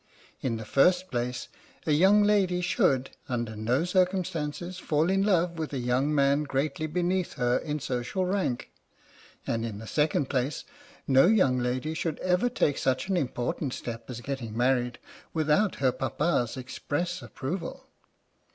In the first place, a young lady should, under no circumstances, fall in love with a young man greatly beneath her in social rank, and in the second place, no young lady should ever take such an important step as getting married without her Papa's express approval.